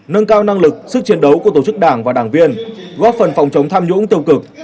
nâng cao năng lực sức chiến đấu của tổ chức đảng và đảng viên góp phần phòng chống tham nhũng tiêu cực